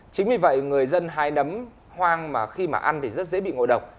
chính vì vậy người dân hái đấm hoang mà khi mà ăn thì rất dễ bị ngộ độc